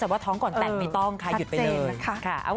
แต่ว่าท้องก่อนแต่งไม่ต้องค่ะหยุดไปเลย